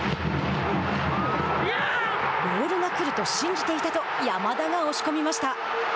「ボールが来ると信じていた」と山田が押し込みました。